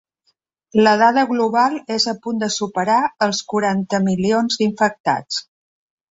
La dada global és a punt de superar els quaranta milions d’infectats.